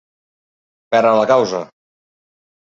Per a la causa.